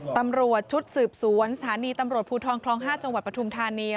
ตำรวจชุดสืบสวนสถานีตำรวจภูทรคลอง๕จังหวัดปฐุมธานี